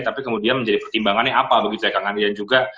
tapi kemudian menjadi pertimbangannya apa begitu ya kak kandian